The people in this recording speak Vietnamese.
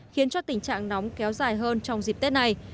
khiến cho tình trạng nóng kéo dài hơn trong dịp tết này